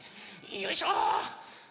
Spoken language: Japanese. よいしょ。